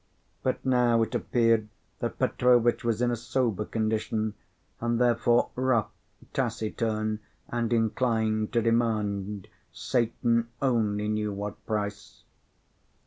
But now it appeared that Petrovitch was in a sober condition, and therefore rough, taciturn, and inclined to demand, Satan only knows what price.